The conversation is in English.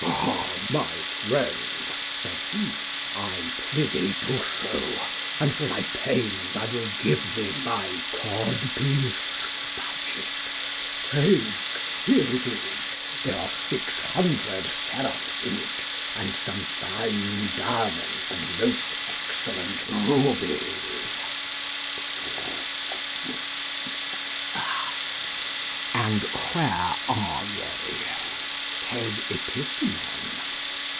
Ha, my friend, said he, I prithee do so, and for thy pains I will give thee my codpiece (budget); take, here it is, there are six hundred seraphs in it, and some fine diamonds and most excellent rubies. And where are they? said Epistemon.